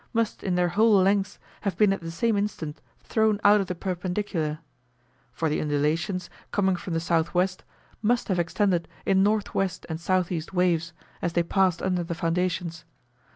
must in their whole lengths have been at the same instant thrown out of the perpendicular; for the undulations, coming from the S.W., must have extended in N.W. and S.E. waves, as they passed under the foundations.